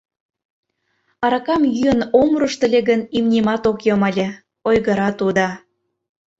— Аракам йӱын ом рушт ыле гын, имнемат ок йом ыле, — ойгыра тудо.